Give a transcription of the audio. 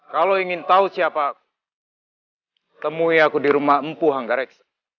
kalau ingin tahu siapa temui aku di rumah empu hanggar ex